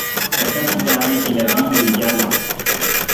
Sa capitale est la ville de Yala.